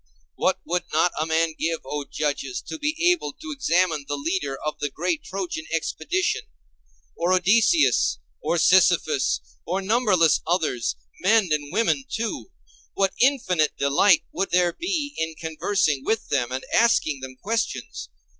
What would not a man give, O judges, to be able to examine the leader of the great Trojan expedition; or Odysseus or Sisyphus, or numberless others, men and women too! What infinite delight would there be in conversing with them and asking them questions!